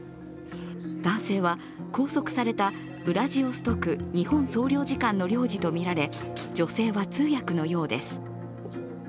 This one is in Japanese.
男性は、拘束されたウラジオストク日本総領事館の領事とみられ、女性は通訳のようです。